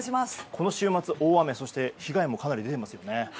この週末、大雨、そして被害もかなり出てますよね。